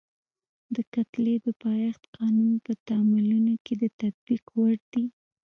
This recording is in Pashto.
د کتلې د پایښت قانون په تعاملونو کې د تطبیق وړ دی.